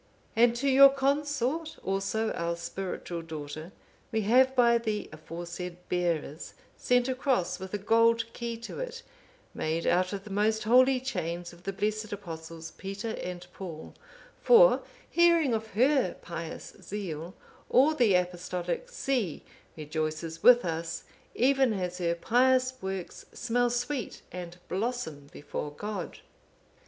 And to your consort(510) also, our spiritual daughter, we have by the aforesaid bearers sent a cross, with a gold key to it, made out of the most holy chains of the blessed Apostles, Peter and Paul; for, hearing of her pious zeal, all the Apostolic see rejoices with us, even as her pious works smell sweet and blossom before God.